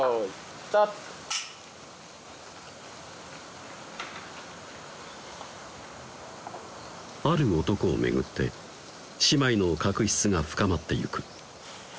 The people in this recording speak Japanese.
スタートある男を巡って姉妹の確執が深まってゆく